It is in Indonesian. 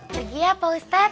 pergi ya pak ustadz